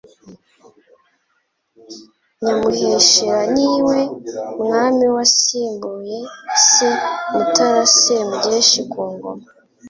Nyamuheshera niwe Mwami wasimbuye se Mutara Semugeshi ku ngoma